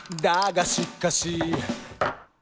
「だがしかし」